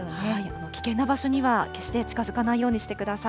危険な場所には決して近づかないようにしてください。